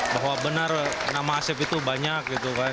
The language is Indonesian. bahwa benar nama asep itu banyak